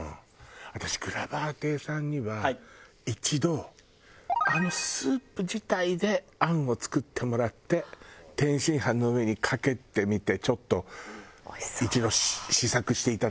私グラバー亭さんには一度あのスープ自体で餡を作ってもらって天津飯の上にかけてみてちょっと一度試作していただいてみてねちょっとね。